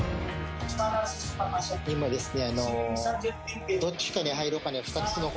今ですね。